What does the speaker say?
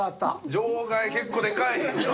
場外結構でかい。